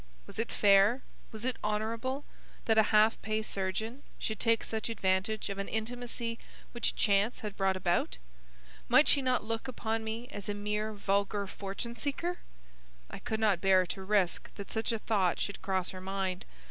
Was it fair, was it honourable, that a half pay surgeon should take such advantage of an intimacy which chance had brought about? Might she not look upon me as a mere vulgar fortune seeker? I could not bear to risk that such a thought should cross her mind.